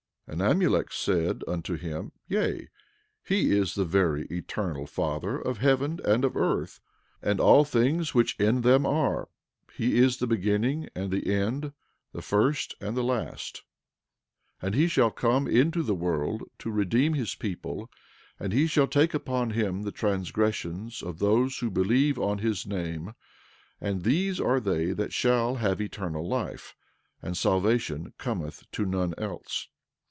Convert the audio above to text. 11:39 And Amulek said unto him: Yea, he is the very Eternal Father of heaven and of earth, and all things which in them are; he is the beginning and the end, the first and the last; 11:40 And he shall come into the world to redeem his people; and he shall take upon him the transgressions of those who believe on his name; and these are they that shall have eternal life, and salvation cometh to none else.